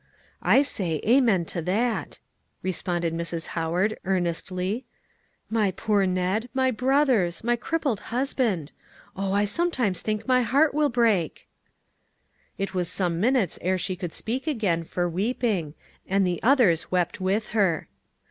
"I say amen to that!" responded Mrs. Howard earnestly. "My poor Ned! my brothers! my crippled husband! Oh, I sometimes think my heart will break!" It was some minutes ere she could speak again, for weeping, and the others wept with her.